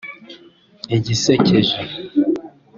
Igisekeje